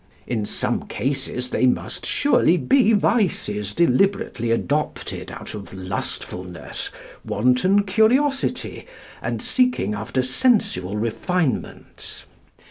In some cases they must surely be vices deliberately adopted out of lustfulness, wanton curiosity, and seeking after sensual refinements.